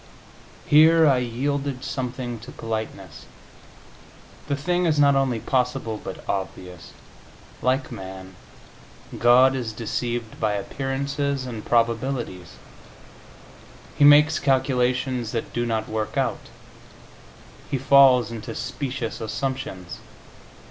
Here I yielded something to politeness; the thing is not only possible, but obvious. Like man, God is deceived by appearances and probabilities; He makes calculations that do not work out; He falls into specious assumptions.